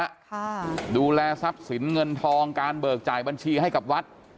ค่ะดูแลทรัพย์สินเงินทองการเบิกจ่ายบัญชีให้กับวัด